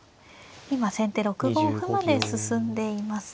今先手６五歩まで進んでいますね。